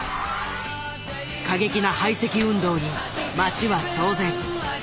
過激な排斥運動に街は騒然。